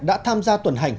đã tham gia tuần hành